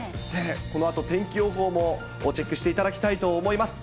このあと、天気予報もチェックしていただきたいと思います。